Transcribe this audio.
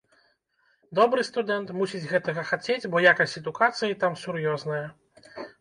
Добры студэнт мусіць гэтага хацець, о якасць адукацыі там сур'ёзная.